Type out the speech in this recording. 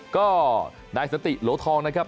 ก็นายสันติโหลทองนะครับ